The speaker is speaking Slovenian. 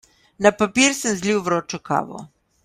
Na papir sem zlil vročo kavo.